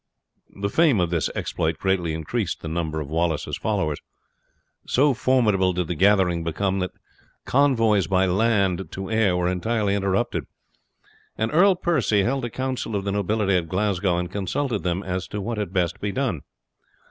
The fame of this exploit greatly increased the number of Wallace's followers. So formidable did the gathering become that convoys by land to Ayr were entirely interrupted, and Earl Percy held a council of the nobility at Glasgow, and consulted them as to what had best be done.